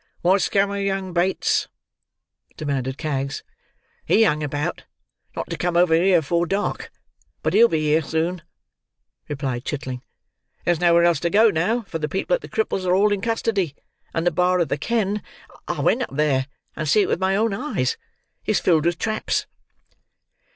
"Wot's come of young Bates?" demanded Kags. "He hung about, not to come over here afore dark, but he'll be here soon," replied Chitling. "There's nowhere else to go to now, for the people at the Cripples are all in custody, and the bar of the ken—I went up there and see it with my own eyes—is filled with traps."